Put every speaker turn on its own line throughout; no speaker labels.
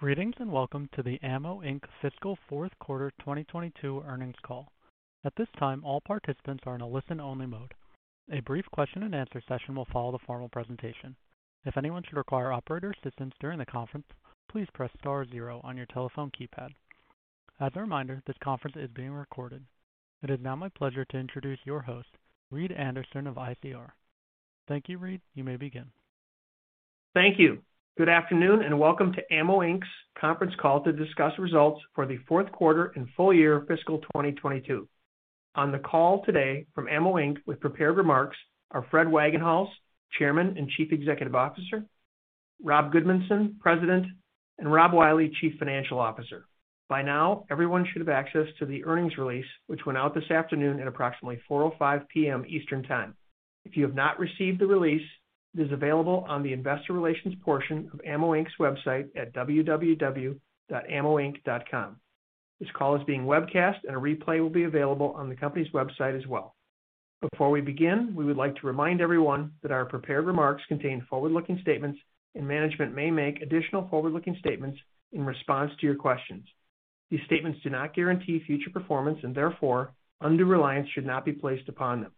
Greetings, welcome to the AMMO, Inc. fiscal fourth quarter 2022 earnings call. At this time, all participants are in a listen-only mode. A brief question and answer session will follow the formal presentation. If anyone should require operator assistance during the conference, please press star zero on your telephone keypad. As a reminder, this conference is being recorded. It is now my pleasure to introduce your host, Reed Anderson of ICR. Thank you. Reed, you may begin.
Thank you. Good afternoon, and welcome to AMMO, Inc.'s conference call to discuss results for the fourth quarter and full year fiscal 2022. On the call today from AMMO, Inc. with prepared remarks are Fred Wagenhals, Chairman and Chief Executive Officer, Rob Goodmanson, President, and Rob Wiley, Chief Financial Officer. By now, everyone should have access to the earnings release, which went out this afternoon at approximately 4:05 P.M. Eastern Time. If you have not received the release, it is available on the investor relations portion of AMMO, Inc.'s website at www.ammoinc.com. This call is being webcast, and a replay will be available on the company's website as well. Before we begin, we would like to remind everyone that our prepared remarks contain forward-looking statements, and management may make additional forward-looking statements in response to your questions. These statements do not guarantee future performance, and therefore undue reliance should not be placed upon them.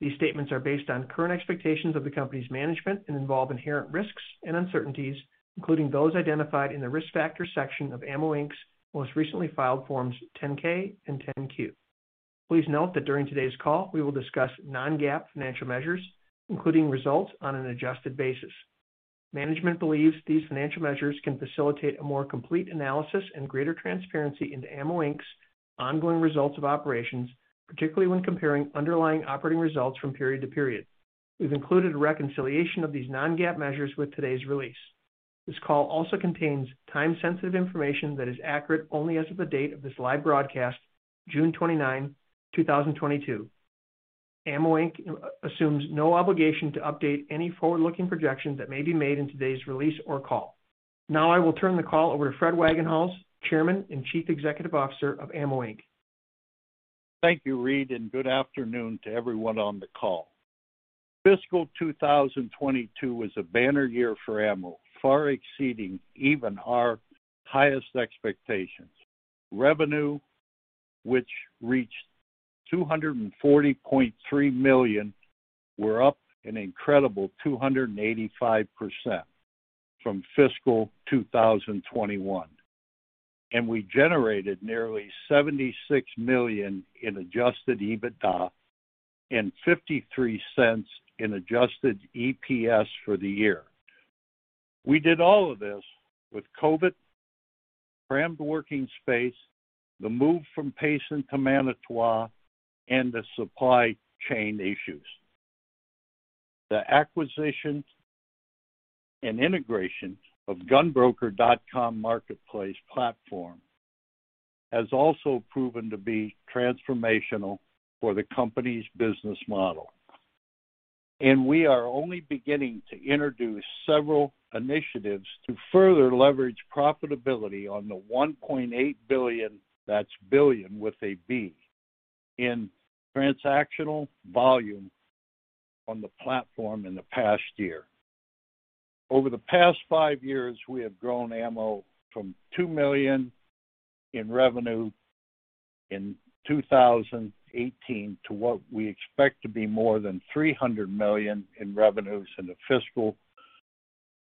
These statements are based on current expectations of the company's management and involve inherent risks and uncertainties, including those identified in the Risk Factors section of AMMO, Inc.'s most recently filed Forms 10-K and 10-Q. Please note that during today's call, we will discuss non-GAAP financial measures, including results on an adjusted basis. Management believes these financial measures can facilitate a more complete analysis and greater transparency into AMMO, Inc.'s ongoing results of operations, particularly when comparing underlying operating results from period to period. We've included a reconciliation of these non-GAAP measures with today's release. This call also contains time-sensitive information that is accurate only as of the date of this live broadcast, June 29, 2022. AMMO, Inc. assumes no obligation to update any forward-looking projections that may be made in today's release or call. Now, I will turn the call over to Fred Wagenhals, Chairman and Chief Executive Officer of AMMO, Inc.
Thank you, Reed, and good afternoon to everyone on the call. Fiscal 2022 was a banner year for AMMO, far exceeding even our highest expectations. Revenue, which reached $240.3 million, were up an incredible 285% from fiscal 2021, and we generated nearly $76 million in Adjusted EBITDA and $0.53 in adjusted EPS for the year. We did all of this with COVID, crammed working space, the move from Payson to Manitowoc, and the supply chain issues. The acquisition and integration of GunBroker.com marketplace platform has also proven to be transformational for the company's business model, and we are only beginning to introduce several initiatives to further leverage profitability on the $1.8 billion, that's billion with a B, in transactional volume on the platform in the past year. Over the past five years, we have grown AMMO from $2 million in revenue in 2018 to what we expect to be more than $300 million in revenues in the fiscal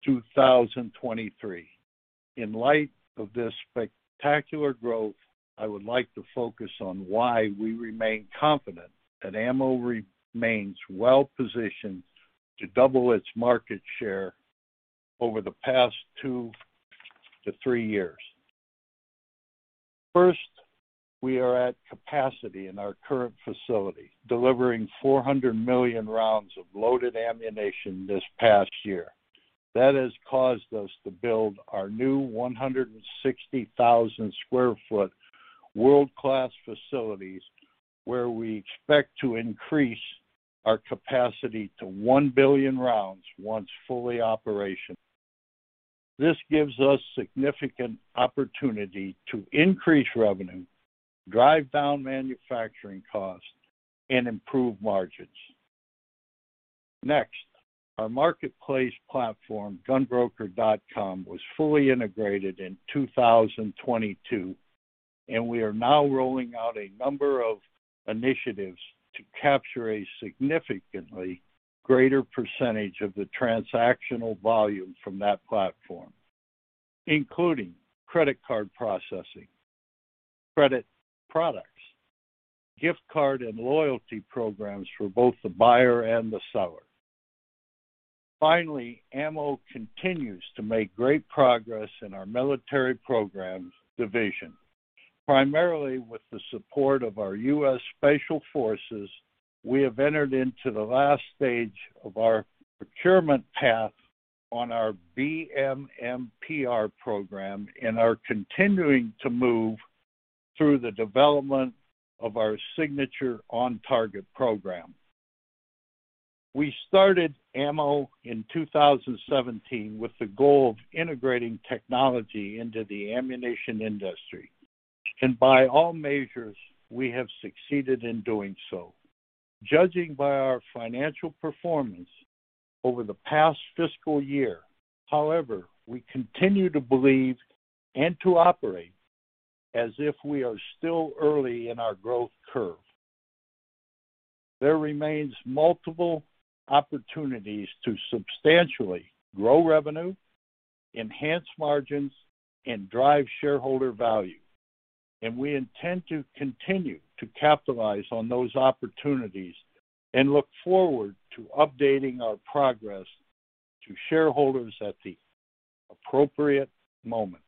2023. In light of this spectacular growth, I would like to focus on why we remain confident that AMMO remains well positioned to double its market share over the past two to three years. First, we are at capacity in our current facility, delivering 400 million rounds of loaded ammunition this past year. That has caused us to build our new 160,000 sq ft world-class facilities, where we expect to increase our capacity to 1 billion rounds once fully operational. This gives us significant opportunity to increase revenue, drive down manufacturing costs, and improve margins. Next, our marketplace platform, GunBroker.com, was fully integrated in 2022, and we are now rolling out a number of initiatives to capture a significantly greater percentage of the transactional volume from that platform, including credit card processing, credit products, gift card and loyalty programs for both the buyer and the seller. Finally, AMMO continues to make great progress in our military programs division. Primarily with the support of our U.S. Army Special Forces, we have entered into the last stage of our procurement path on our BMMPR program and are continuing to move through the development of our signature OnTarget program. We started AMMO in 2017 with the goal of integrating technology into the ammunition industry. By all measures, we have succeeded in doing so. Judging by our financial performance over the past fiscal year, however, we continue to believe and to operate as if we are still early in our growth curve. There remains multiple opportunities to substantially grow revenue, enhance margins, and drive shareholder value, and we intend to continue to capitalize on those opportunities and look forward to updating our progress to shareholders at the appropriate moment.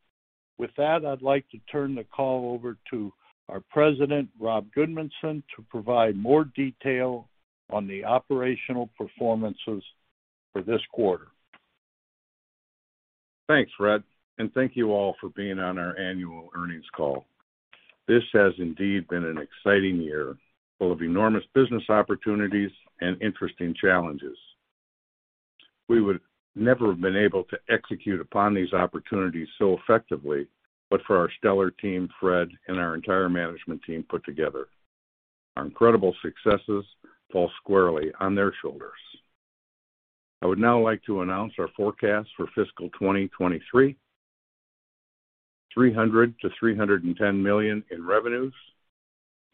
With that, I'd like to turn the call over to our President, Rob Goodmanson, to provide more detail on the operational performances for this quarter.
Thanks, Fred, and thank you all for being on our annual earnings call. This has indeed been an exciting year, full of enormous business opportunities and interesting challenges. We would never have been able to execute upon these opportunities so effectively, but for our Stellar Team, Fred, and our entire management team put together. Our incredible successes fall squarely on their shoulders. I would now like to announce our forecast for fiscal 2023. $300 million-$310 million in revenues,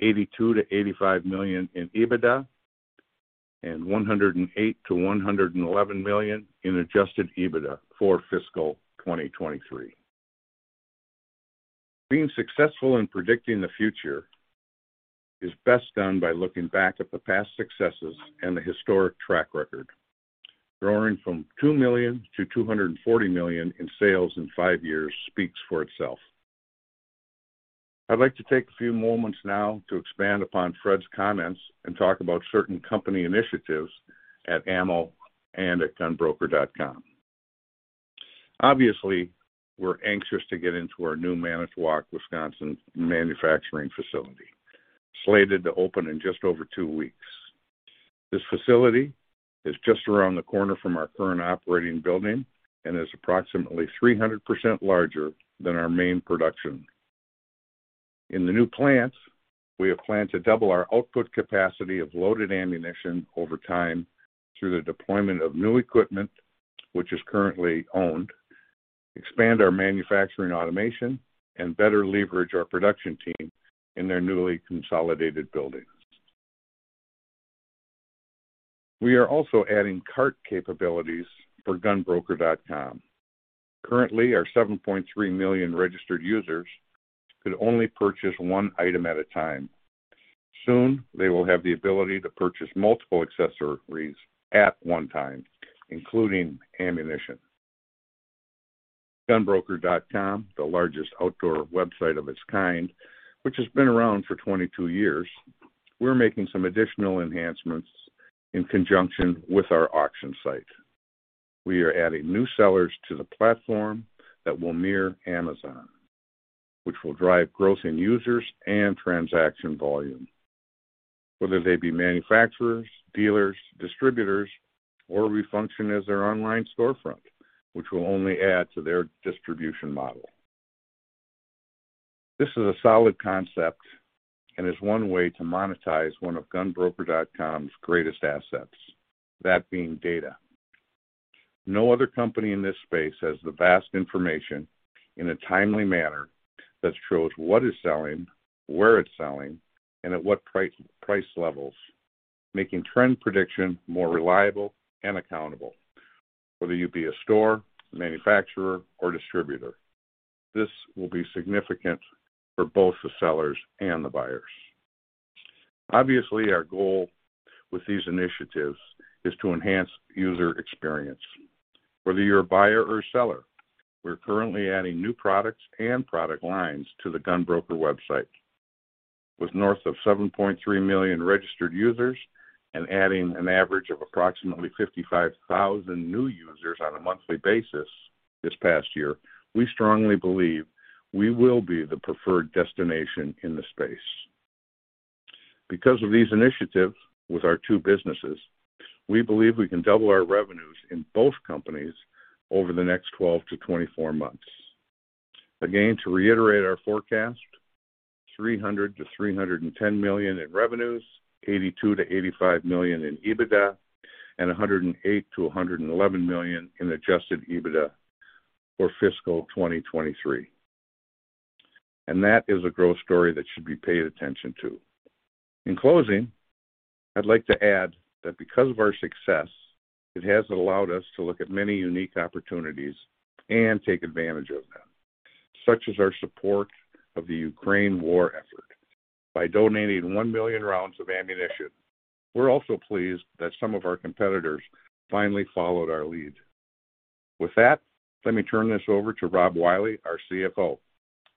$82 million-$85 million in EBITDA, and $108 million-$111 million in Adjusted EBITDA for fiscal 2023. Being successful in predicting the future is best done by looking back at the past successes and the historic track record. Growing from $2 million-$240 million in sales in five years speaks for itself. I'd like to take a few moments now to expand upon Fred's comments and talk about certain company initiatives at AMMO and at GunBroker.com. Obviously, we're anxious to get into our new Manitowoc, Wisconsin, manufacturing facility, slated to open in just over two weeks. This facility is just around the corner from our current operating building and is approximately 300% larger than our main production. In the new plants, we have planned to double our output capacity of loaded ammunition over time through the deployment of new equipment, which is currently owned, expand our manufacturing automation, and better leverage our production team in their newly consolidated buildings. We are also adding cart capabilities for GunBroker.com. Currently, our 7.3 million registered users could only purchase one item at a time. Soon, they will have the ability to purchase multiple accessories at one time, including ammunition. GunBroker.com, the largest outdoor website of its kind, which has been around for 22 years, we're making some additional enhancements in conjunction with our auction site. We are adding new sellers to the platform that will mirror Amazon, which will drive growth in users and transaction volume, whether they be manufacturers, dealers, distributors, or we function as their online storefront, which will only add to their distribution model. This is a solid concept and is one way to monetize one of GunBroker.com's greatest assets, that being data. No other company in this space has the vast information in a timely manner that shows what is selling, where it's selling, and at what price levels, making trend prediction more reliable and accountable, whether you be a store, manufacturer, or distributor. This will be significant for both the sellers and the buyers. Obviously, our goal with these initiatives is to enhance user experience. Whether you're a buyer or seller, we're currently adding new products and product lines to the GunBroker website. With north of 7.3 million registered users and adding an average of approximately 55,000 new users on a monthly basis this past year, we strongly believe we will be the preferred destination in the space. Because of these initiatives with our two businesses, we believe we can double our revenues in both companies over the next 12-24 months. Again, to reiterate our forecast, $300 million-$310 million in revenues, $82 million-$85 million in EBITDA, and $108 million-$111 million in Adjusted EBITDA for fiscal 2023. That is a growth story that should be paid attention to. In closing, I'd like to add that because of our success, it has allowed us to look at many unique opportunities and take advantage of them, such as our support of the Ukraine war effort by donating 1 million rounds of ammunition. We're also pleased that some of our competitors finally followed our lead. With that, let me turn this over to Rob Wiley, our CFO.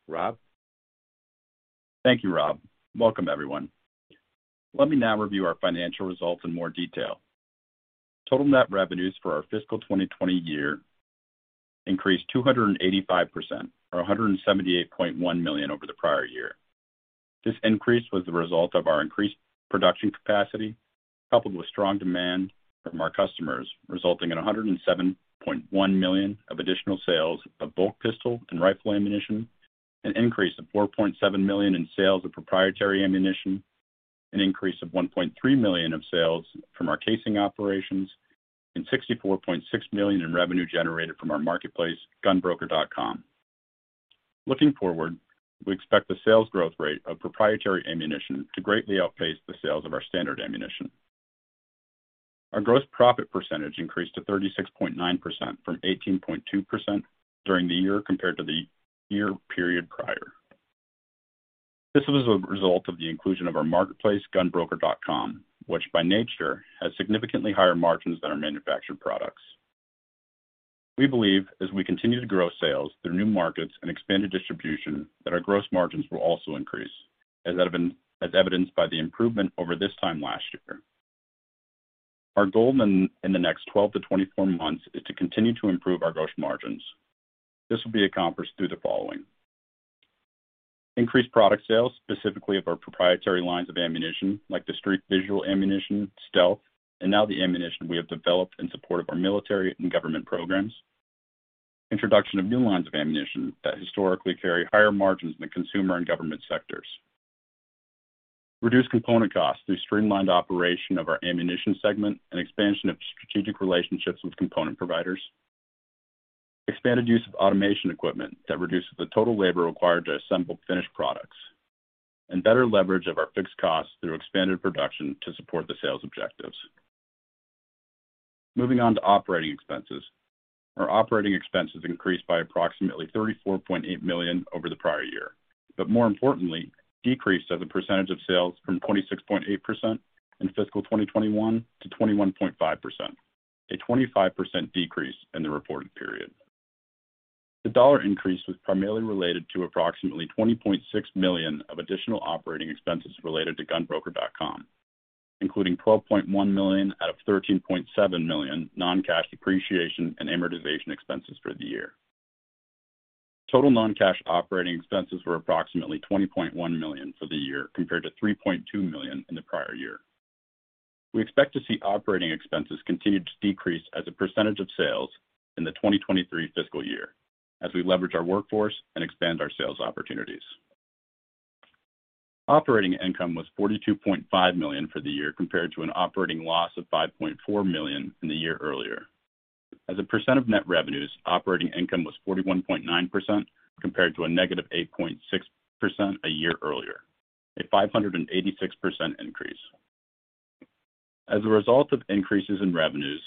Rob?
Thank you, Rob. Welcome, everyone. Let me now review our financial results in more detail. Total net revenues for our fiscal 2020 year increased 285%, or $178.1 million over the prior year. This increase was the result of our increased production capacity, coupled with strong demand from our customers, resulting in $107.1 million of additional sales of bulk pistol and rifle ammunition, an increase of $4.7 million in sales of proprietary ammunition, an increase of $1.3 million of sales from our casing operations, and $64.6 million in revenue generated from our marketplace, GunBroker.com. Looking forward, we expect the sales growth rate of proprietary ammunition to greatly outpace the sales of our standard ammunition. Our gross profit percentage increased to 36.9% from 18.2% during the year compared to the year period prior. This was a result of the inclusion of our marketplace, GunBroker.com, which by nature has significantly higher margins than our manufactured products. We believe as we continue to grow sales through new markets and expanded distribution, that our gross margins will also increase, as evident by the improvement over this time last year. Our goal in the next 12-24 months is to continue to improve our gross margins. This will be accomplished through the following. Increased product sales, specifically of our proprietary lines of ammunition like the STREAK Visual Ammunition, /stelth/ and now the ammunition we have developed in support of our military and government programs. Introduction of new lines of ammunition that historically carry higher margins in the consumer and government sectors. Reduce component costs through streamlined operation of our ammunition segment and expansion of strategic relationships with component providers. Expanded use of automation equipment that reduces the total labor required to assemble finished products, and better leverage of our fixed costs through expanded production to support the sales objectives. Moving on to operating expenses. Our operating expenses increased by approximately $34.8 million over the prior year, but more importantly, decreased as a percentage of sales from 26.8% in fiscal 2021 to 21.5%, a 25% decrease in the reported period. The dollar increase was primarily related to approximately $20.6 million of additional operating expenses related to GunBroker.com, including $12.1 million out of $13.7 million non-cash depreciation and amortization expenses for the year. Total non-cash operating expenses were approximately $20.1 million for the year, compared to $3.2 million in the prior year. We expect to see operating expenses continue to decrease as a percentage of sales in the 2023 fiscal year as we leverage our workforce and expand our sales opportunities. Operating income was $42.5 million for the year compared to an operating loss of $5.4 million in the year earlier. As a percent of net revenues, operating income was 41.9% compared to a -8.6% a year earlier, a 586% increase. As a result of increases in revenues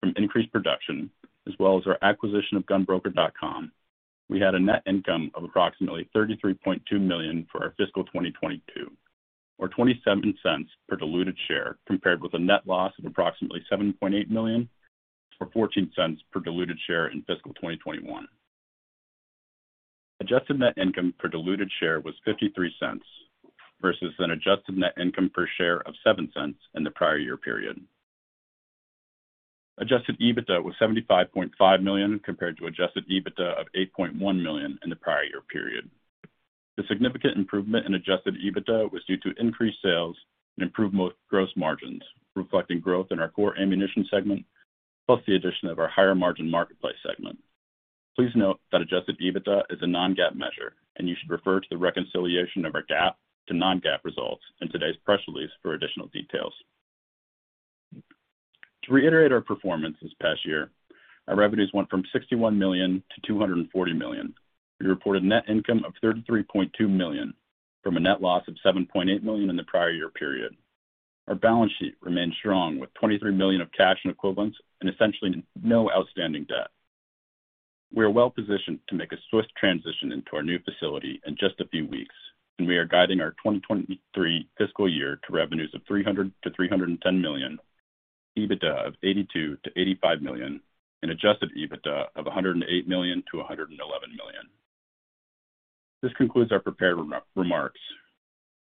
from increased production as well as our acquisition of GunBroker.com, we had a net income of approximately $33.2 million for our fiscal 2022, or $0.27 per diluted share, compared with a net loss of approximately $7.8 million or $0.14 per diluted share in fiscal 2021. Adjusted net income per diluted share was $0.53 versus an adjusted net income per share of $0.07 in the prior year period. Adjusted EBITDA was $75.5 million compared to Adjusted EBITDA of $8.1 million in the prior year period. The significant improvement in Adjusted EBITDA was due to increased sales and improved gross margins, reflecting growth in our core ammunition segment, plus the addition of our higher margin marketplace segment. Please note that Adjusted EBITDA is a non-GAAP measure, and you should refer to the reconciliation of our GAAP to non-GAAP results in today's press release for additional details. To reiterate our performance this past year, our revenues went from $61 million-$240 million. We reported net income of $33.2 million from a net loss of $7.8 million in the prior year period. Our balance sheet remains strong with $23 million of cash and equivalents and essentially no outstanding debt. We are well-positioned to make a swift transition into our new facility in just a few weeks, and we are guiding our 2023 fiscal year to revenues of $300 million-$310 million, EBITDA of $82 million-$85 million, and Adjusted EBITDA of $108 million-$111 million. This concludes our prepared remarks.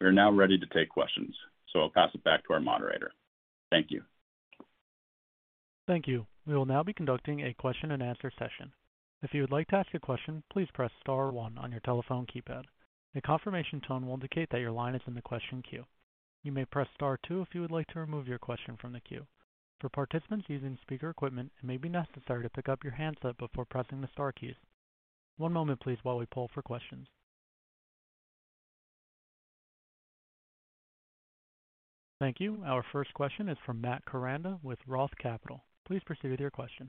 We are now ready to take questions, so I'll pass it back to our moderator. Thank you.
Thank you. We will now be conducting a question and answer session. If you would like to ask a question, please press star one on your telephone keypad. A confirmation tone will indicate that your line is in the question queue. You may press star two if you would like to remove your question from the queue. For participants using speaker equipment, it may be necessary to pick up your handset before pressing the star keys. One moment, please, while we poll for questions. Thank you. Our first question is from Matt Koranda with Roth Capital. Please proceed with your question.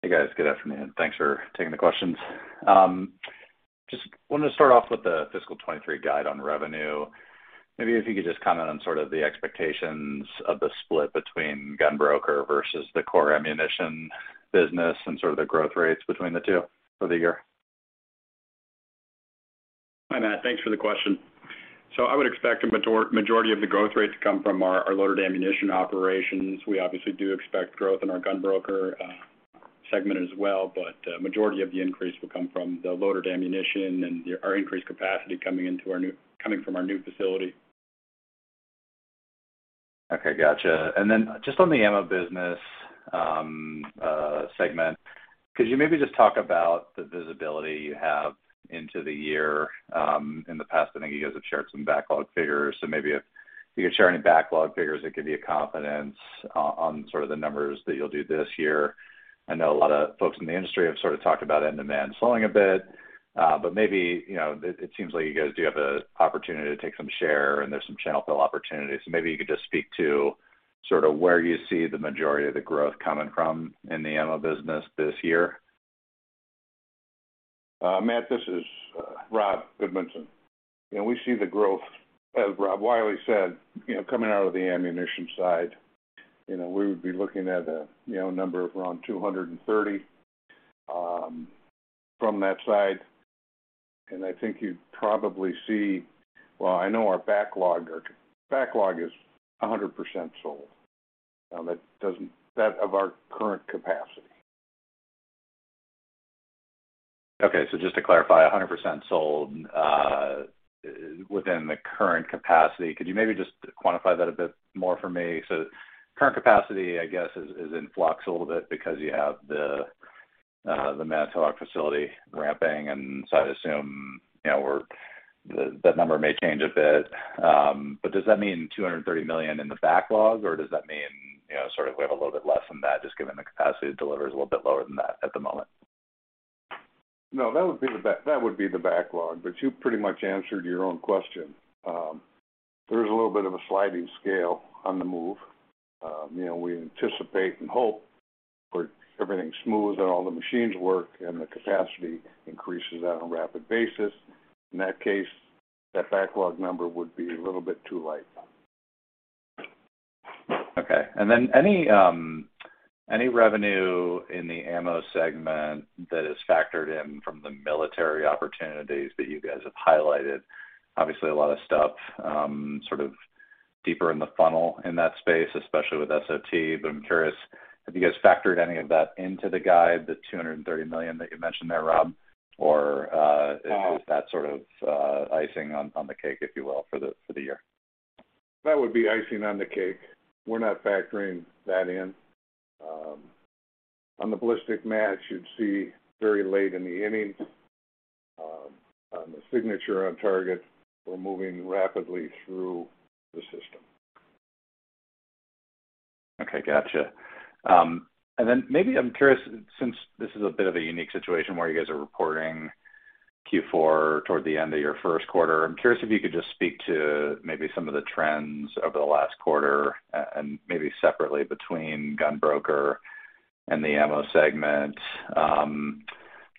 Hey, guys. Good afternoon. Thanks for taking the questions. Just wanted to start off with the fiscal 2023 guide on revenue. Maybe if you could just comment on sort of the expectations of the split between GunBroker versus the core ammunition business and sort of the growth rates between the two for the year.
Hi, Matt. Thanks for the question. I would expect a majority of the growth rate to come from our loaded ammunition operations. We obviously do expect growth in our GunBroker segment as well, but majority of the increase will come from the loaded ammunition and our increased capacity coming from our new facility.
Okay, gotcha. Just on the AMMO business, segment, could you maybe just talk about the visibility you have into the year? In the past, I think you guys have shared some backlog figures, so maybe if you could share any backlog figures that give you confidence on sort of the numbers that you'll do this year. I know a lot of folks in the industry have sort of talked about end demand slowing a bit, but maybe, you know, it seems like you guys do have the opportunity to take some share and there's some channel fill opportunities. Maybe you could just speak to sort of where you see the majority of the growth coming from in the AMMO business this year.
Matt, this is Rob. You know, we see the growth, as Rob Wiley said, you know, coming out of the ammunition side. You know, we would be looking at a number of around $230 from that side. I think you probably see. Well, I know our backlog is 100% sold. Now, that of our current capacity.
Just to clarify, 100% sold within the current capacity. Could you maybe just quantify that a bit more for me? Current capacity, I guess is in flux a little bit because you have the Manitowoc facility ramping, and so I'd assume, you know, that number may change a bit. Does that mean $230 million in the backlog, or does that mean, you know, sort of we have a little bit less than that just given the capacity to deliver is a little bit lower than that at the moment?
No, that would be the backlog, but you pretty much answered your own question. There is a little bit of a sliding scale on the move. You know, we anticipate and hope where everything smooths and all the machines work and the capacity increases on a rapid basis. In that case, that backlog number would be a little bit too light.
Okay. Then any revenue in the AMMO segment that is factored in from the military opportunities that you guys have highlighted. Obviously, a lot of stuff sort of deeper in the funnel in that space, especially with SOT. I'm curious, have you guys factored any of that into the guide, the $230 million that you mentioned there, Rob? Or is that sort of icing on the cake, if you will, for the year?
That would be icing on the cake. We're not factoring that in. On the ballistic match, you'd see very late in the inning. On the Signature OnTarget, we're moving rapidly through the system.
Okay. Gotcha. And then maybe I'm curious, since this is a bit of a unique situation where you guys are reporting Q4 toward the end of your first quarter. I'm curious if you could just speak to maybe some of the trends over the last quarter and maybe separately between GunBroker and the AMMO segment.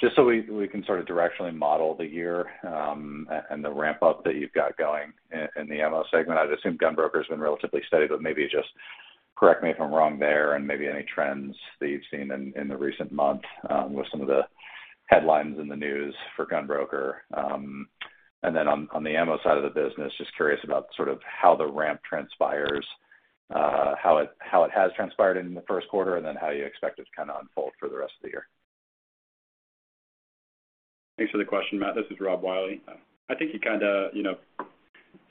Just so we can sort of directionally model the year, and the ramp up that you've got going in the AMMO segment. I'd assume GunBroker's been relatively steady, but maybe just correct me if I'm wrong there and maybe any trends that you've seen in the recent months, with some of the headlines in the news for GunBroker. On the AMMO side of the business, just curious about sort of how the ramp transpires, how it has transpired in the first quarter, and then how you expect it to kind of unfold for the rest of the year?
Thanks for the question, Matt. This is Rob Wiley. I think you kinda, you know,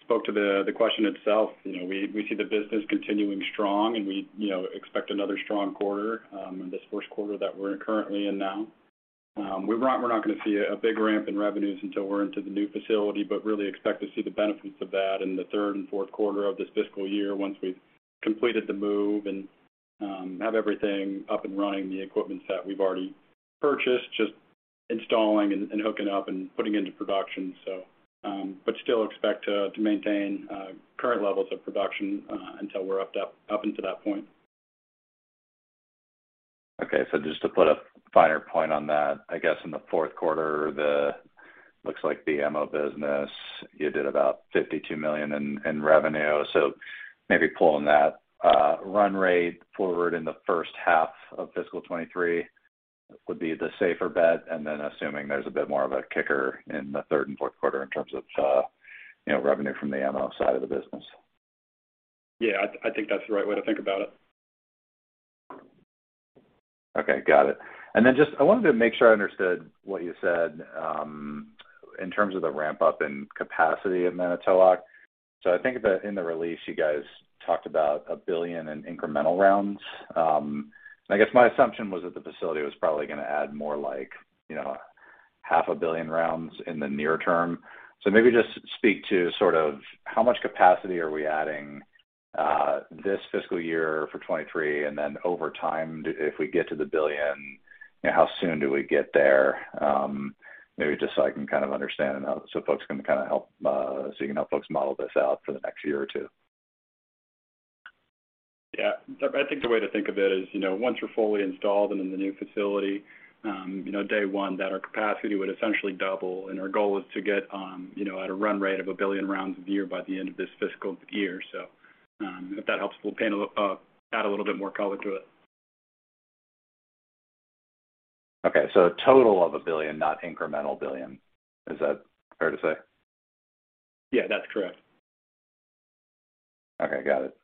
spoke to the question itself. You know, we see the business continuing strong and we, you know, expect another strong quarter in this first quarter that we're currently in now. We're not gonna see a big ramp in revenues until we're into the new facility, but really expect to see the benefits of that in the third and fourth quarter of this fiscal year once we've completed the move and have everything up and running, the equipment set we've already purchased, just installing and hooking up and putting into production. Still expect to maintain current levels of production until we're up into that point.
Okay. Just to put a finer point on that, I guess in the fourth quarter, looks like the AMMO business, you did about $52 million in revenue. Maybe pulling that run rate forward in the first half of fiscal 2023 would be the safer bet, and then assuming there's a bit more of a kicker in the third and fourth quarter in terms of, you know, revenue from the AMMO side of the business.
Yeah, I think that's the right way to think about it.
Okay. Got it. Just I wanted to make sure I understood what you said, in terms of the ramp up and capacity at Manitowoc. I think that in the release you guys talked about a billion in incremental rounds. I guess my assumption was that the facility was probably gonna add more like, you know, half a billion rounds in the near term. Maybe just speak to sort of how much capacity are we adding, this fiscal year for 2023 and then over time if we get to the billion, you know, how soon do we get there? Maybe just so I can kind of understand and so folks can kind of help, so you can help folks model this out for the next year or two.
Yeah. I think the way to think of it is, you know, once we're fully installed and in the new facility, you know, day one that our capacity would essentially double and our goal is to get, you know, at a run rate of 1 billion rounds a year by the end of this fiscal year. If that helps, we'll add a little bit more color to it.
Okay. Total of $1 billion, not incremental $1 billion. Is that fair to say?
Yeah, that's correct.
Okay. Got it.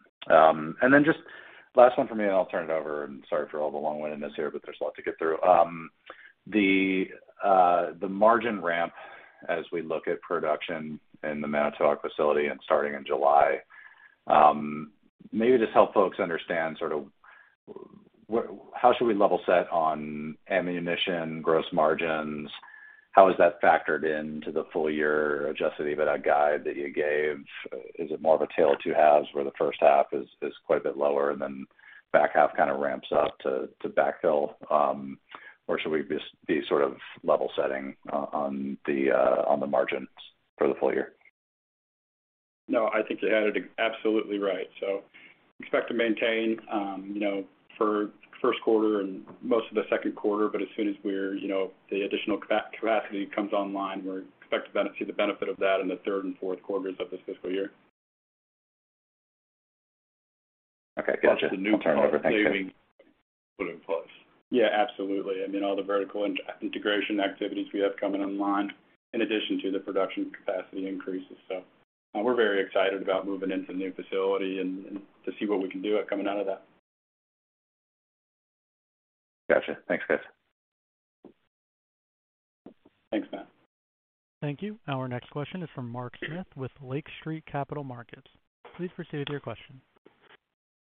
Last one for me, and I'll turn it over. Sorry for all the long-windedness here, but there's a lot to get through. The margin ramp as we look at production in the Manitowoc facility and starting in July, maybe just help folks understand sort of how should we level set on ammunition gross margins? How is that factored into the full year Adjusted EBITDA guide that you gave? Is it more of a tale of two halves, where the first half is quite a bit lower than back half kind of ramps up to backfill? Or should we just be sort of level setting on the margins for the full year?
No, I think you had it absolutely right. Expect to maintain, you know, for first quarter and most of the second quarter, but as soon as we're, you know, the additional capacity comes online, expect to see the benefit of that in the third and fourth quarters of this fiscal year.
Okay. Gotcha.
The new cost savings.
I'll turn it over. Thank you.
Put in place.
Yeah, absolutely. I mean, all the vertical integration activities we have coming online in addition to the production capacity increases. We're very excited about moving into the new facility and to see what we can do coming out of that.
Gotcha. Thanks, guys.
Thanks, Matt.
Thank you. Our next question is from Mark Smith with Lake Street Capital Markets. Please proceed with your question.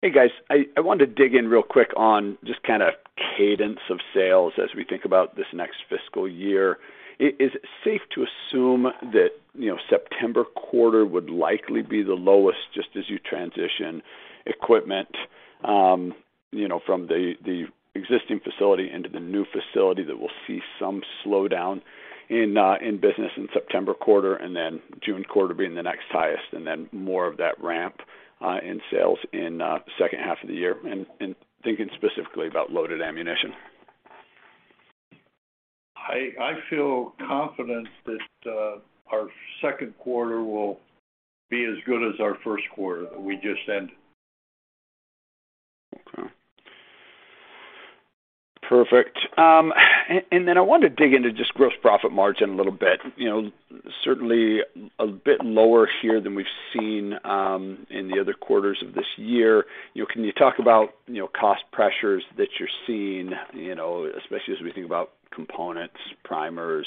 Hey, guys. I wanted to dig in real quick on just kind of cadence of sales as we think about this next fiscal year. Is it safe to assume that, you know, September quarter would likely be the lowest just as you transition equipment, you know, from the existing facility into the new facility that we'll see some slowdown in business in September quarter and then June quarter being the next highest, and then more of that ramp in sales in second half of the year? Thinking specifically about loaded ammunition.
I feel confident that our second quarter will be as good as our first quarter that we just ended.
Okay. Perfect. I want to dig into just gross profit margin a little bit. You know, certainly a bit lower here than we've seen in the other quarters of this year. You know, can you talk about, you know, cost pressures that you're seeing, you know, especially as we think about components, primers,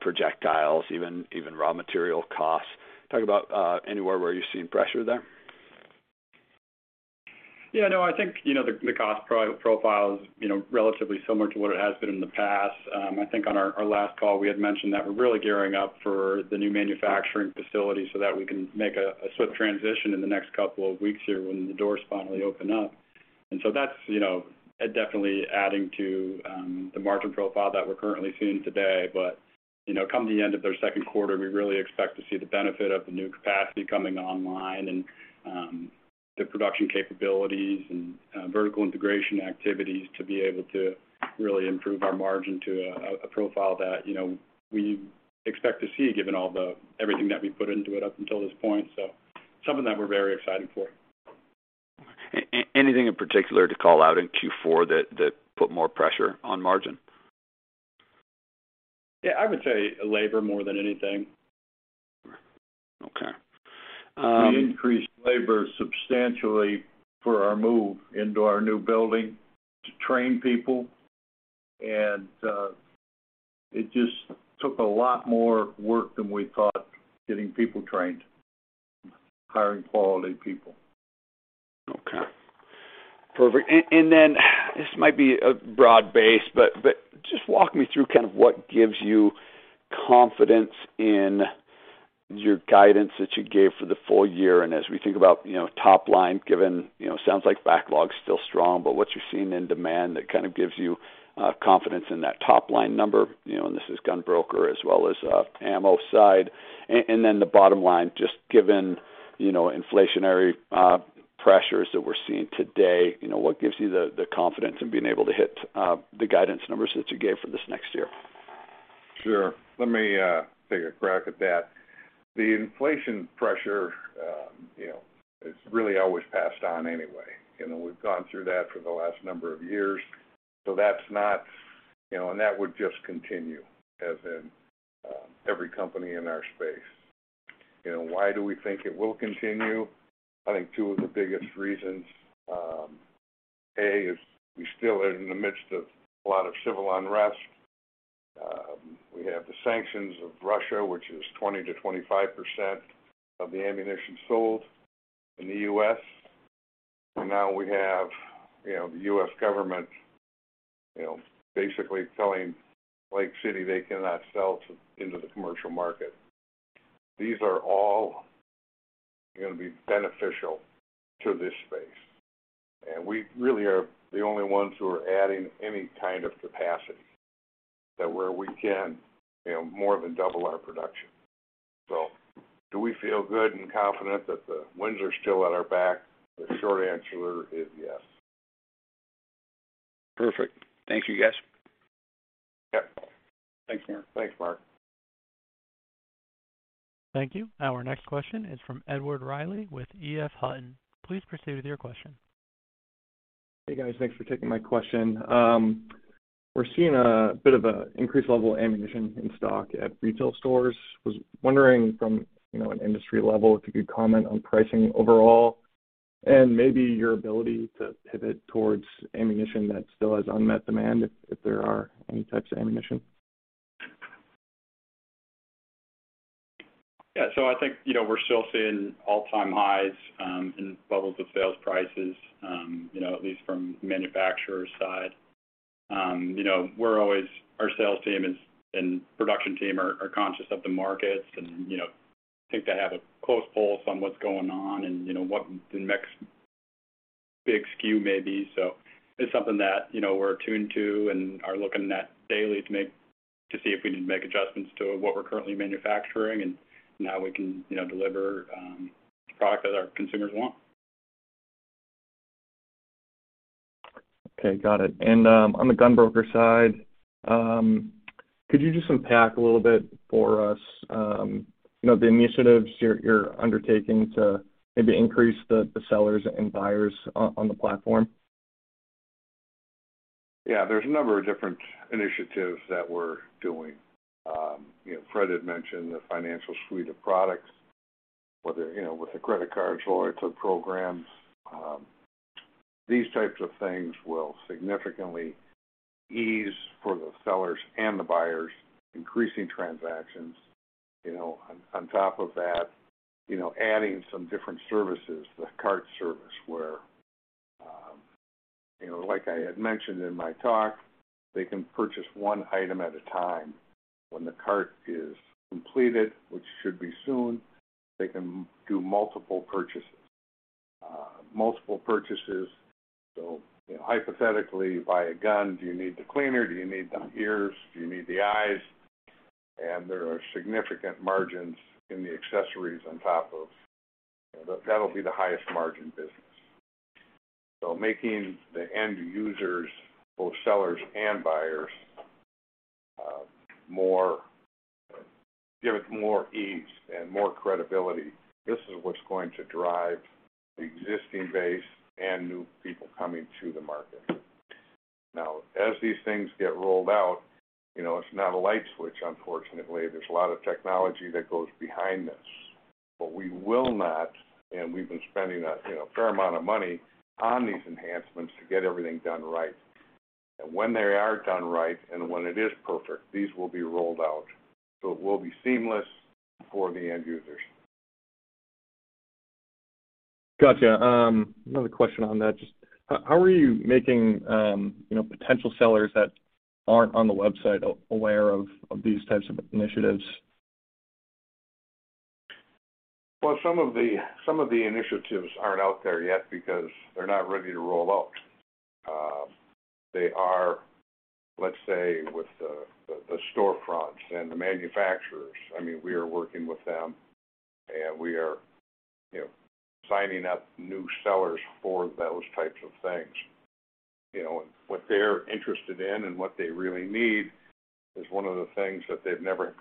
projectiles, even raw material costs? Talk about anywhere where you're seeing pressure there.
Yeah, no, I think, you know, the cost profile is, you know, relatively similar to what it has been in the past. I think on our last call, we had mentioned that we're really gearing up for the new manufacturing facility so that we can make a swift transition in the next couple of weeks here when the doors finally open up. That's, you know, definitely adding to the margin profile that we're currently seeing today. You know, come the end of their second quarter, we really expect to see the benefit of the new capacity coming online and the production capabilities and vertical integration activities to be able to really improve our margin to a profile that, you know, we expect to see given everything that we put into it up until this point. Something that we're very excited for.
Anything in particular to call out in Q4 that put more pressure on margin?
Yeah, I would say labor more than anything.
Okay.
We increased labor substantially for our move into our new building to train people, and it just took a lot more work than we thought, getting people trained, hiring quality people.
Okay. Perfect. This might be broad-based, but just walk me through kind of what gives you confidence in your guidance that you gave for the full year. As we think about, you know, top line given, you know, sounds like backlog's still strong, but what you're seeing in demand that kind of gives you confidence in that top line number, you know, and this is GunBroker as well as AMMO side. The bottom line, just given, you know, inflationary pressures that we're seeing today, you know, what gives you the confidence in being able to hit the guidance numbers that you gave for this next year?
Sure. Let me take a crack at that. The inflation pressure, you know, is really always passed on anyway. You know, we've gone through that for the last number of years. That would just continue as in every company in our space. You know, why do we think it will continue? I think two of the biggest reasons, A, is we still are in the midst of a lot of civil unrest. We have the sanctions on Russia, which is 20%-25% of the ammunition sold in the U.S.. Now we have, you know, the U.S. government, you know, basically telling Lake City they cannot sell into the commercial market. These are all gonna be beneficial to this space. We really are the only ones who are adding any kind of capacity that where we can, you know, more than double our production. Do we feel good and confident that the winds are still at our back? The short answer is yes.
Perfect. Thank you, guys.
Yeah. Thanks.
Thanks, Mark.
Thank you. Our next question is from Edward Reilly with E.F. Hutton. Please proceed with your question.
Hey, guys. Thanks for taking my question. We're seeing a bit of an increased level of ammunition in stock at retail stores. Was wondering from, you know, an industry level if you could comment on pricing overall and maybe your ability to pivot towards ammunition that still has unmet demand, if there are any types of ammunition.
Yeah. I think, you know, we're still seeing all-time highs in levels of sales prices, you know, at least from manufacturer's side. Our sales team and production team are conscious of the markets and, you know, I think they have a close pulse on what's going on and you know, what the next big SKU may be. It's something that, you know, we're attuned to and are looking at daily to see if we need to make adjustments to what we're currently manufacturing, and how we can, you know, deliver the product that our consumers want.
Okay, got it. On the GunBroker side, could you just unpack a little bit for us, you know, the initiatives you're undertaking to maybe increase the sellers and buyers on the platform?
Yeah. There's a number of different initiatives that we're doing. You know, Fred had mentioned the financial suite of products, whether, you know, with the credit cards or the programs. These types of things will significantly ease for the sellers and the buyers, increasing transactions, you know. On top of that, you know, adding some different services, the cart service, where, you know, like I had mentioned in my talk, they can purchase one item at a time. When the cart is completed, which should be soon, they can do multiple purchases. You know, hypothetically, you buy a gun. Do you need the cleaner? Do you need the ears? Do you need the eyes? And there are significant margins in the accessories on top of that. That'll be the highest margin business. Making the end users, both sellers and buyers, give it more ease and more credibility, this is what's going to drive the existing base and new people coming to the market. Now, as these things get rolled out, you know, it's not a light switch, unfortunately. There's a lot of technology that goes behind this. We will not, and we've been spending a, you know, fair amount of money on these enhancements to get everything done right. When they are done right and when it is perfect, these will be rolled out, so it will be seamless for the end users.
Gotcha. Another question on that. Just how are you making, you know, potential sellers that aren't on the website aware of these types of initiatives?
Well, some of the initiatives aren't out there yet because they're not ready to roll out. They are, let's say, with the storefronts and the manufacturers. I mean, we are working with them, and we are signing up new sellers for those types of things. You know, what they're interested in and what they really need is one of the things that they've never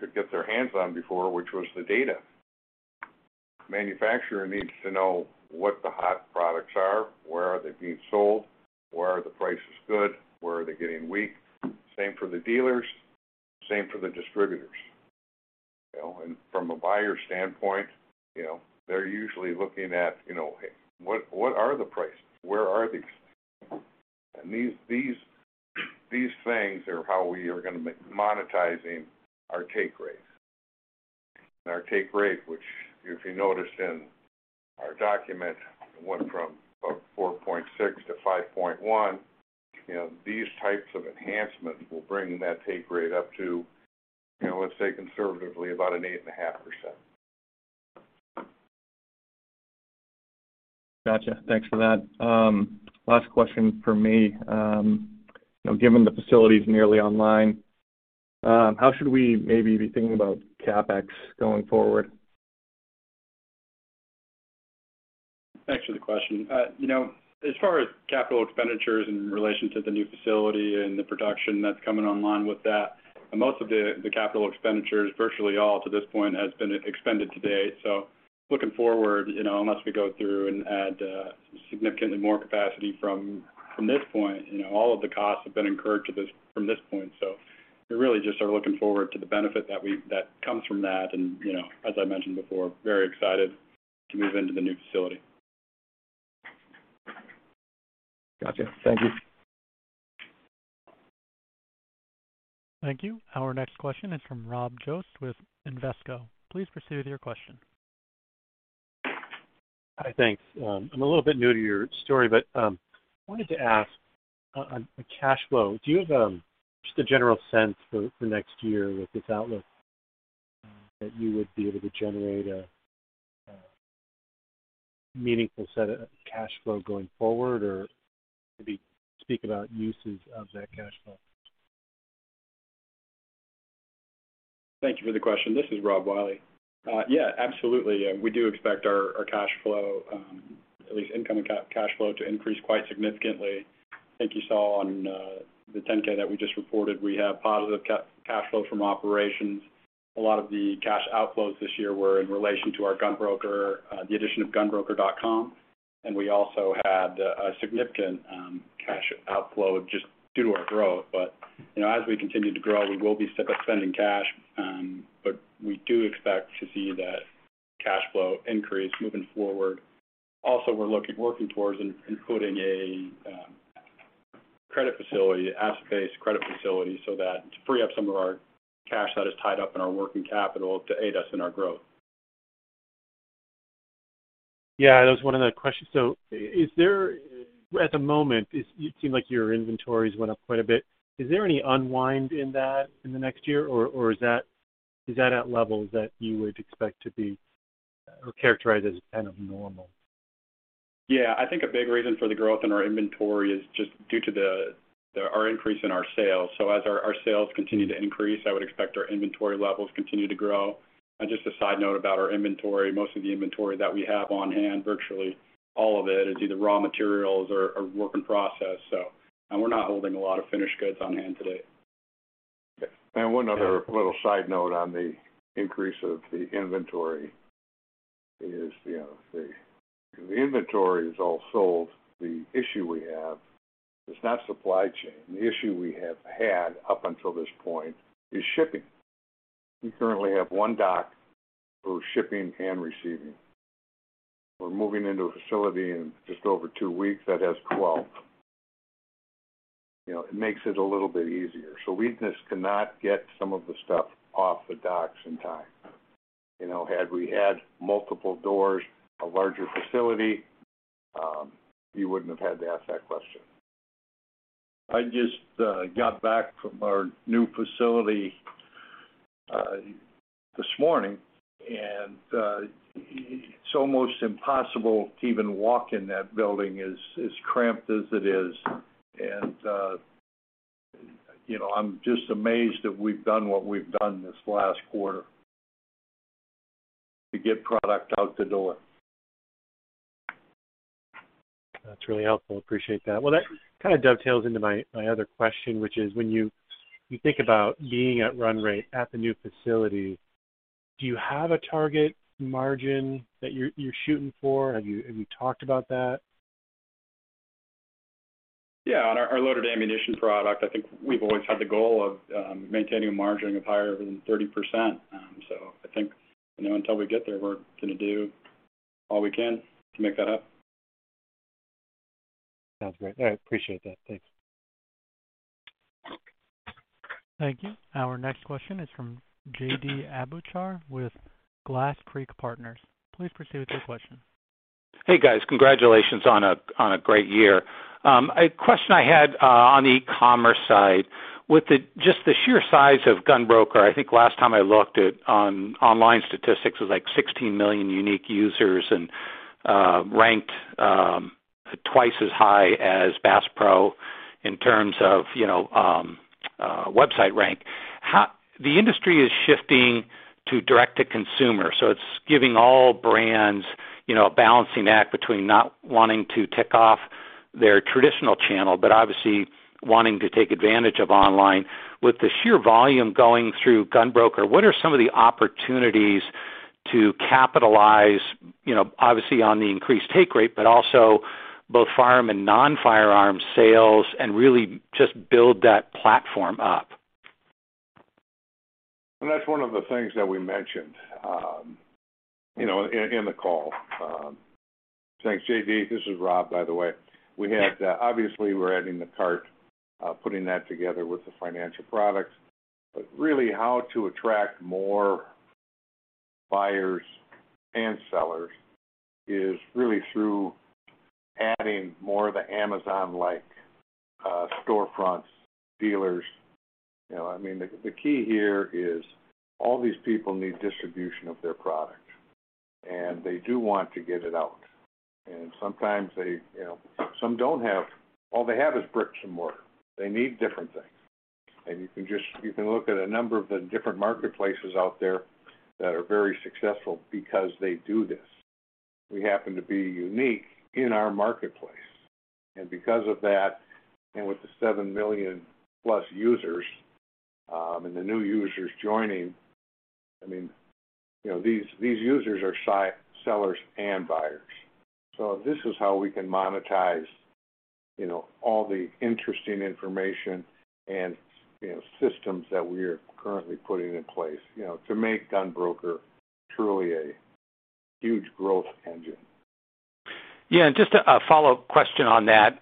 could get their hands on before, which was the data. Manufacturer needs to know what the hot products are, where are they being sold, where are the prices good, where are they getting weak? Same for the dealers, same for the distributors, you know. From a buyer's standpoint, you know, they're usually looking at, you know, what are the prices? Where are these? These things are how we are gonna be monetizing our take rate. Our take rate, which if you noticed in our document, went from about 4.6%-5.1%, you know, these types of enhancements will bring that take rate up to, you know, let's say conservatively about an 8.5%.
Gotcha. Thanks for that. Last question from me. You know, given the facilities nearly online, how should we maybe be thinking about CapEx going forward?
Thanks for the question. You know, as far as capital expenditures in relation to the new facility and the production that's coming online with that, most of the capital expenditures, virtually all to this point, has been expended to date. Looking forward, you know, unless we go through and add significantly more capacity from this point, you know, all of the costs have been incurred from this point. We really just are looking forward to the benefit that comes from that. You know, as I mentioned before, very excited to move into the new facility.
Gotcha. Thank you.
Thank you. Our next question is from Rob Jost with Invesco. Please proceed with your question.
Hi. Thanks. I'm a little bit new to your story, but wanted to ask on cash flow, do you have just a general sense for next year with this outlook, that you would be able to generate a meaningful set of cash flow going forward? Or maybe speak about uses of that cash flow.
Thank you for the question. This is Rob Wiley. Yeah, absolutely. We do expect our cash flow, at least incoming cash flow to increase quite significantly. I think you saw on the 10-K that we just reported, we have positive cash flow from operations. A lot of the cash outflows this year were in relation to our GunBroker.com. And we also had a significant cash outflow just due to our growth. You know, as we continue to grow, we will be spending cash, but we do expect to see that cash flow increase moving forward. Also, we're working towards including a credit facility, asset-based credit facility, so that to free up some of our cash that is tied up in our working capital to aid us in our growth.
Yeah, that was one of the questions. Is there, at the moment, it seem like your inventories went up quite a bit. Is there any unwind in that in the next year? Or is that at levels that you would expect to be or characterize as kind of normal?
Yeah. I think a big reason for the growth in our inventory is just due to our increase in our sales. As our sales continue to increase, I would expect our inventory levels continue to grow. Just a side note about our inventory, most of the inventory that we have on hand, virtually all of it is either raw materials or work in process. We're not holding a lot of finished goods on hand today.
One other little side note on the increase of the inventory is, you know, the inventory is all sold. The issue we have is not supply chain. The issue we have had up until this point is shipping. We currently have one dock for shipping and receiving. We're moving into a facility in just over two weeks that has 12. You know, it makes it a little bit easier. We just cannot get some of the stuff off the docks in time. You know, had we had multiple doors, a larger facility, you wouldn't have had to ask that question. I just got back from our new facility this morning, and it's almost impossible to even walk in that building, as cramped as it is. You know, I'm just amazed that we've done what we've done this last quarter to get product out the door.
That's really helpful. Appreciate that. Well, that kind of dovetails into my other question, which is when you think about being at run rate at the new facility, do you have a target margin that you're shooting for? Have you talked about that?
Yeah. On our loaded ammunition product, I think we've always had the goal of maintaining a margin of higher than 30%. I think, you know, until we get there, we're going to do all we can to make that up.
Sounds great. I appreciate that. Thanks.
Thank you. Our next question is from JD Abouchar with Glass Creek Partners. Please proceed with your question.
Hey, guys. Congratulations on a great year. A question I had on the e-commerce side. With just the sheer size of GunBroker, I think last time I looked at online statistics, it was like 16 million unique users and ranked twice as high as Bass Pro in terms of, you know, website rank. The industry is shifting to direct to consumer, so it's giving all brands, you know, a balancing act between not wanting to tick off their traditional channel, but obviously wanting to take advantage of online. With the sheer volume going through GunBroker, what are some of the opportunities to capitalize, you know, obviously on the increased take rate, but also both firearm and non-firearm sales, and really just build that platform up?
That's one of the things that we mentioned, you know, in the call. Thanks, JD. This is Rob, by the way. We had obviously, we're adding the cart, putting that together with the financial products. Really how to attract more buyers and sellers is really through adding more of the Amazon-like storefronts, dealers. You know, I mean, the key here is all these people need distribution of their product, and they do want to get it out. Sometimes they, you know, some don't have all they have is brick and mortar. They need different things. You can look at a number of the different marketplaces out there that are very successful because they do this. We happen to be unique in our marketplace. Because of that, and with the 7 million-plus users, and the new users joining, I mean, you know, these users are sellers and buyers. So this is how we can monetize, you know, all the interesting information and, you know, systems that we are currently putting in place, you know, to make GunBroker truly a huge growth engine.
Yeah. Just a follow-up question on that.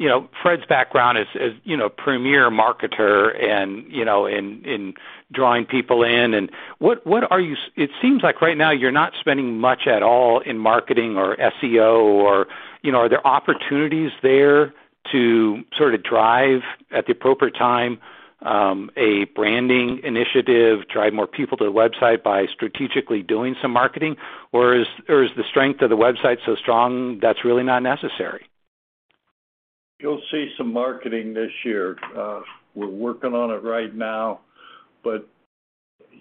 You know, Fred's background is you know premier marketer and you know in drawing people in. It seems like right now you're not spending much at all in marketing or SEO or you know are there opportunities there to sort of drive at the appropriate time a branding initiative drive more people to the website by strategically doing some marketing? Or is the strength of the website so strong that's really not necessary?
You'll see some marketing this year. We're working on it right now, but,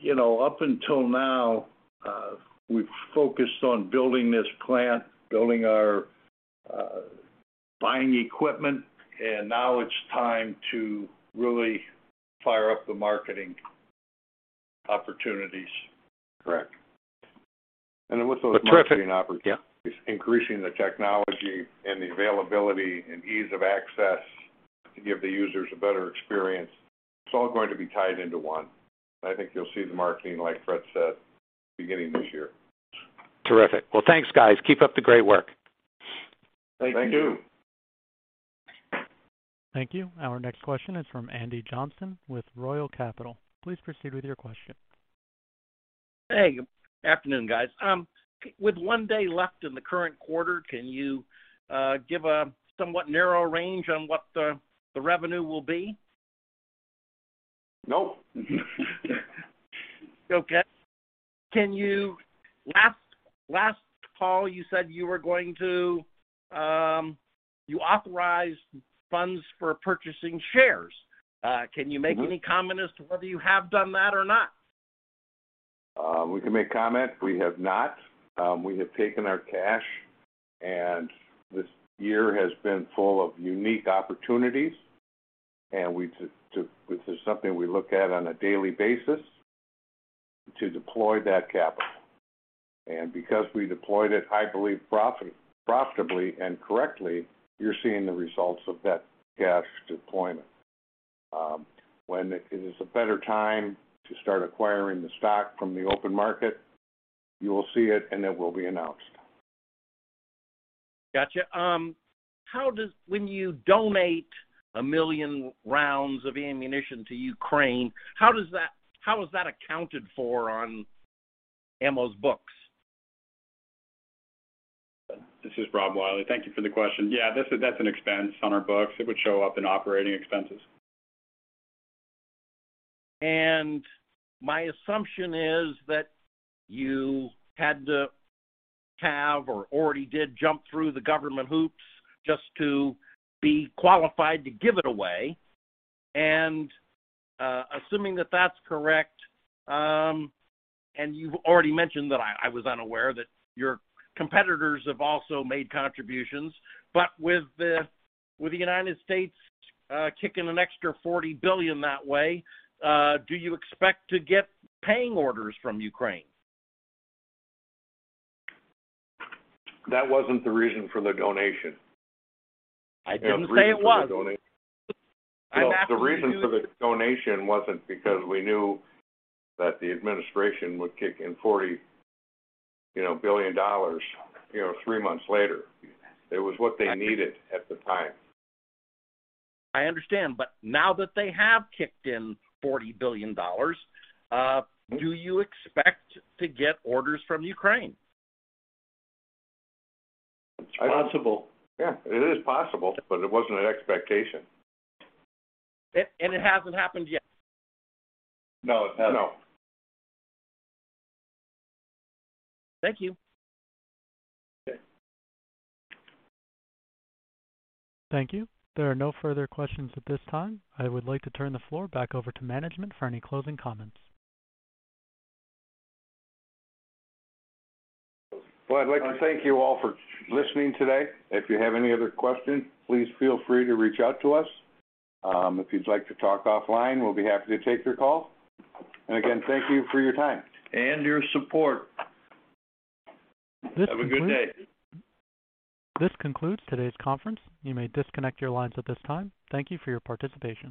you know, up until now, we've focused on building this plant, building our, buying equipment, and now it's time to really fire up the marketing.
Opportunities.
Correct. With those marketing opportunities.
Terrific. Yeah.
increasing the technology and the availability and ease of access to give the users a better experience, it's all going to be tied into one. I think you'll see the marketing, like Fred said, beginning this year.
Terrific. Well, thanks, guys. Keep up the great work.
Thank you.
Thank you.
Thank you. Our next question is from Andy Johnson with Royal Capital. Please proceed with your question.
Hey, good afternoon, guys. With one day left in the current quarter, can you give a somewhat narrow range on what the revenue will be?
Nope.
Okay. Last call, you said you were going to, you authorized funds for purchasing shares.
Mm-hmm
Can you make any comment as to whether you have done that or not?
We can make comment. We have not. We have taken our cash, and this year has been full of unique opportunities, which is something we look at on a daily basis to deploy that capital. Because we deployed it, I believe profitably and correctly, you're seeing the results of that cash deployment. When it is a better time to start acquiring the stock from the open market, you will see it, and it will be announced.
Gotcha. When you donate 1 million rounds of ammunition to Ukraine, how is that accounted for on AMMO's books?
This is Rob Wiley. Thank you for the question. Yeah, that's an expense on our books. It would show up in operating expenses.
My assumption is that you had to have or already did jump through the government hoops just to be qualified to give it away. Assuming that that's correct, and you've already mentioned that I was unaware that your competitors have also made contributions. With the United States kicking an extra $40 billion that way, do you expect to get paying orders from Ukraine?
That wasn't the reason for the donation.
I didn't say it was.
The reason for the dona-
I'm asking you.
The reason for the donation wasn't because we knew that the administration would kick in $40 billion, you know, three months later. It was what they needed at the time.
I understand. Now that they have kicked in $40 billion.
Mm-hmm
Do you expect to get orders from Ukraine?
It's possible.
Yeah, it is possible, but it wasn't an expectation.
It hasn't happened yet?
No, it hasn't.
No.
Thank you.
Okay.
Thank you. There are no further questions at this time. I would like to turn the floor back over to management for any closing comments.
Well, I'd like to thank you all for listening today. If you have any other questions, please feel free to reach out to us. If you'd like to talk offline, we'll be happy to take your call. Again, thank you for your time.
Your support.
This concludes.
Have a good day.
This concludes today's conference. You may disconnect your lines at this time. Thank you for your participation.